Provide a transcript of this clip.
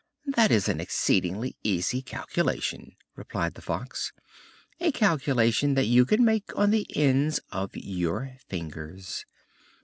"That is an exceedingly easy calculation," replied the Fox, "a calculation that you can make on the ends of your fingers.